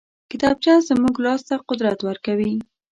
کتابچه زموږ لاس ته قدرت ورکوي